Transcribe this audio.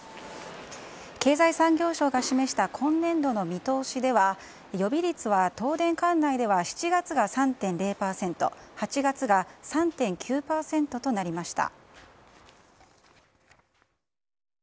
経済産業省が示した今年度の見通しでは予備率は東電管内では７月が３．０％８月が３．９％となりました。